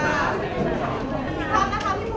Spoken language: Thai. ขอบคุณค่ะพี่โฟสขอบคุณค่ะ